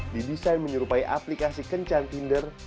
didesain menyerupai aplikasi kencan tinder